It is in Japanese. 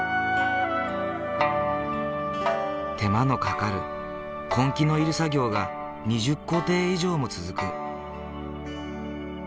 手間のかかる根気の要る作業が２０工程以上も続く。